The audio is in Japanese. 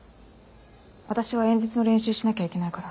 私は演説の練習しなきゃいけないから。